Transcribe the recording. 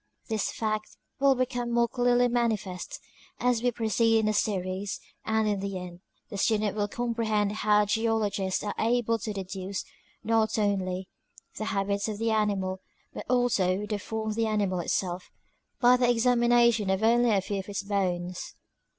This fact will become more clearly manifest as we proceed in the series, and in the end, the student will comprehend how Geologists are able to deduce, not only the habits of the animal, but also the form of the animal itself, by the ex amination of only a few of its bones.